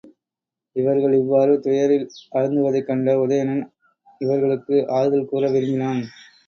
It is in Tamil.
இவர்கள் இவ்வாறு துயரில் அழுந்துவதைக் கண்ட உதயணன் இவர்களுக்கு ஆறுதல் கூற விரும்பினான்.